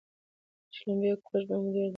شلومبې او کوچ به مو درلودل